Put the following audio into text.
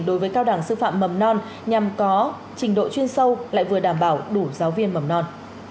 đối với cao đẳng sư phạm mầm non nhằm có trình độ chuyên sâu lại vừa đảm bảo đủ giáo viên mầm non